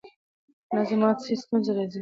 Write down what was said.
که نظم مات سي ستونزه راځي.